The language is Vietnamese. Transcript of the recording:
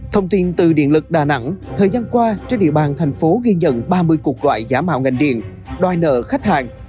thông tin từ điện lực đà nẵng thời gian qua trên địa bàn thành phố ghi nhận ba mươi cuộc gọi giả mạo ngành điện đòi nợ khách hàng